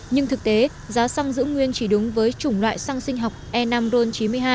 nhưng thực tế giá xăng giữ nguyên chỉ đúng với chủng loại xăng sinh học e năm ron chín mươi hai